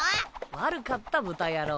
悪かった豚野郎。